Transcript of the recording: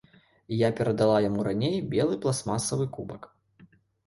Я перадала яму раней белы пластмасавы кубак.